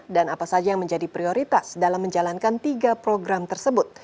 dan apa saja yang menjadi prioritas dalam menjalankan tiga program tersebut